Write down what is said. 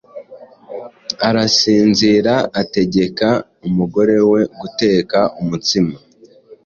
arasinziraategeka umugore we guteka umutsima